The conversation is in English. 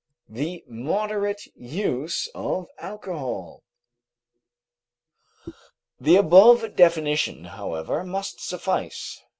THE MODERATE USE OF ALCOHOL The above definition, however, must suffice.